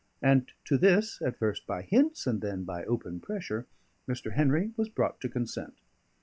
And to this, at first by hints, and then by open pressure, Mr. Henry was brought to consent.